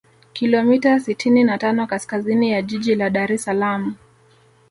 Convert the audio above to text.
kilomita sitini na tano kaskazini ya jiji la Dar es Salaam